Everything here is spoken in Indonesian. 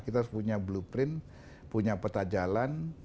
kita harus punya blueprint punya peta jalan